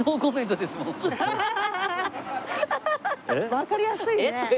わかりやすいね。